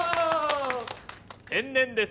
天然です。